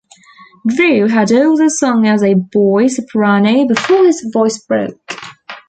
Drew had also sung as a boy soprano before his voice broke.